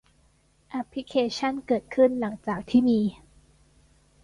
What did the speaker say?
แอปพลิเคชั่นเกิดขึ้นหลังจากที่มี